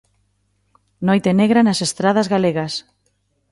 Noite negra nas estradas galegas.